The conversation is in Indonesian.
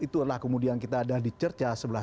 itulah kemudian kita ada di cerca sebelah